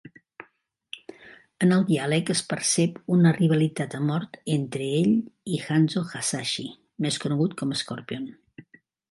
En el diàleg es percep una rivalitat a mort entre ell i Hanzo Hasashi, més conegut com Scorpion.